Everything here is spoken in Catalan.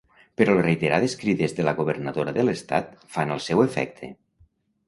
Però les reiterades crides de la Governadora de l'Estat fan el seu efecte.